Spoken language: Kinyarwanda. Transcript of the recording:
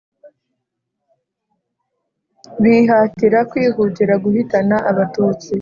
Bihatira kwihutira guhitana abatutsi